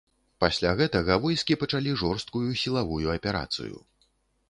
Пасля гэтага войскі пачалі жорсткую сілавую аперацыю.